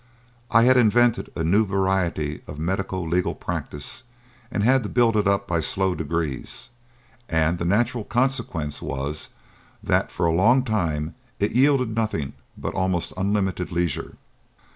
I had invented a new variety of medico legal practice and had to build it up by slow degrees, and the natural consequence was that, for a long time, it yielded nothing but almost unlimited leisure.